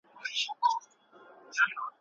دموکراسي پخوا څنګه وه.